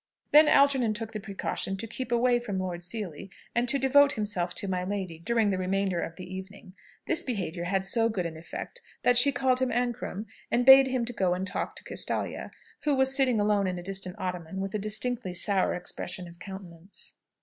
Then, Algernon took the precaution to keep away from Lord Seely, and to devote himself to my lady, during the remainder of the evening. This behaviour had so good an effect, that she called him "Ancram," and bade him go and talk to Castalia, who was sitting alone on a distant ottoman, with a distinctly sour expression of countenance.